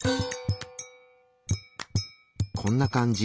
こんな感じ。